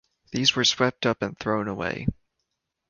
These were swept up and thrown away.